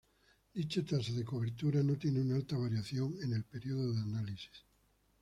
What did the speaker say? Dicha tasa de cobertura no tiene una alta variación en el periodo de análisis.